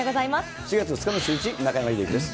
４月２日の『シューイチ』中山秀征です。